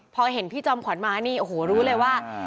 พอเห็นพี่จอมขวัญมานี่โอ้โหรู้เลยว่า